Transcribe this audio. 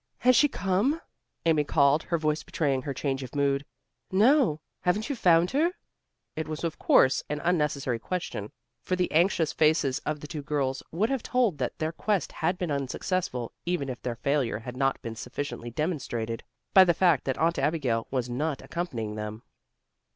"Has she come?" Amy called, her voice betraying her change of mood. "No. Haven't you found her?" It was of course an unnecessary question, for the anxious faces of the two girls would have told that their quest had been unsuccessful, even if their failure had not been sufficiently demonstrated by the fact that Aunt Abigail was not accompanying them.